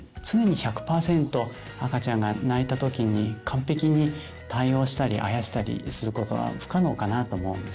常に１００％赤ちゃんが泣いた時に完璧に対応したりあやしたりすることは不可能かなと思うんですね。